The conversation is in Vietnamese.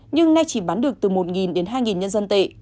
nhưng nay chỉ bán được từ một đến hai nhân dân tệ